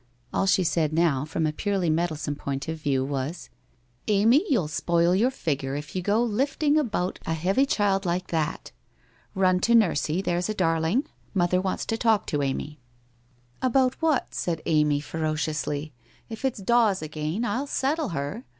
All she said now, from a purely meddlesome point of view, was: ' Amy, you'll spoil your figure if you go lifting about a heavy child like that. Run to nursie, there's a darling. Mother wants to talk to Amy.' 102 WHITE ROSE OF WEARY LEAF 103 * About what?' said Amy ferociously, * if it's Dawes again I'll settle her!